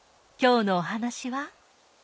今日のお話は。